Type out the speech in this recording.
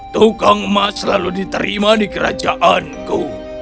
tukang emas selalu diterima di kerajaanku